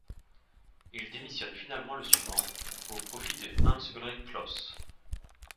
Il démissionne finalement le suivant, au profit de Hans-Ulrich Klose.